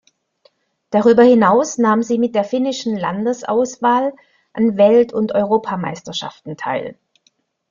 Darüber hinaus nahm sie mit der finnischen Landesauswahl an Welt- und Europameisterschaften teil.